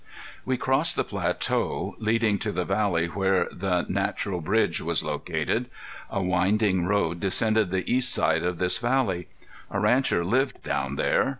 We crossed the plateau leading to the valley where the Natural Bridge was located. A winding road descended the east side of this valley. A rancher lived down there.